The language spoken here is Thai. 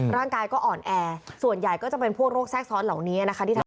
ร่างกายก็อ่อนแอส่วนใหญ่ก็จะเป็นพวกโรคแทรกซ้อนเหล่านี้นะคะที่ทำ